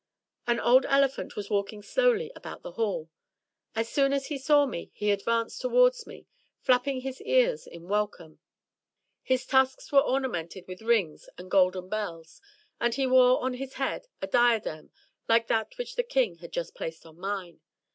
An old elephant was walking slowly about the Hall. As soon as he saw me he advanced towards me, flapping his ears in wel come. His tusks were ornamented with rings and golden bells, and he wore on his head a diadem like that which the King had just placed on mine.